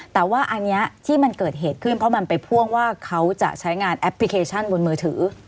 แต่ว่าอันนี้ที่มันเกิดเหตุขึ้นเพราะมันไปพ่วงว่าเขาจะใช้งานแอปพลิเคชันบนมือถือ